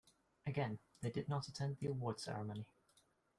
Again, they did not attend the award ceremony.